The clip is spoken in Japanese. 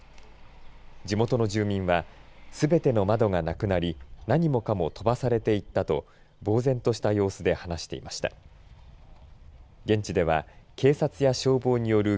地元の住民はすべての窓がなくなり何もかも飛ばされていったとぼう然とした様子で話していました。